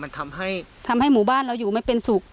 อ๋อมันทำให้ทำให้หมู่บ้านเราอยู่ไม่เป็นสุก